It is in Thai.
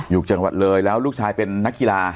อยู่จังหวัดเลยแล้วลูกชายเป็นนักกีฬา